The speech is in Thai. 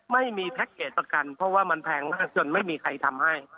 ไม่มีแพ็คเกจประกันเพราะว่ามันแพงมากจนไม่มีใครทำให้